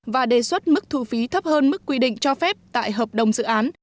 và đề xuất mức thu phí thấp hơn mức quy định cho phép tại hợp đồng dự án